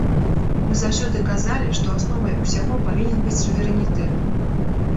Мы заўсёды казалі, што асновай усяго павінен быць суверэнітэт.